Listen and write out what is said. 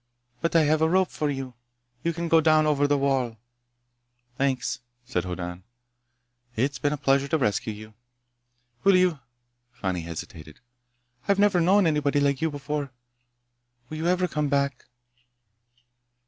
"But I have a rope for you. You can go down over the wall." "Thanks," said Hoddan. "It's been a pleasure to rescue you." "Will you—" Fani hesitated. "I've never known anybody like you before. Will you ever come back?"